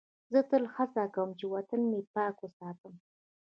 زه تل هڅه کوم چې وطن مې پاک وساتم.